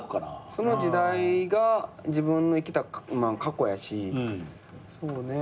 その時代が自分の生きた過去やしそうね。